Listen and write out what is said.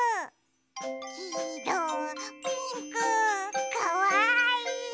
きいろピンクかわいい！